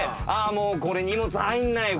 もうこれ荷物入んない！